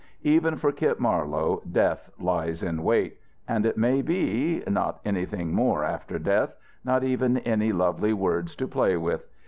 Even for Kit Marlowe death lies in wait! and it may be, not anything more after death, not even any lovely words to play with.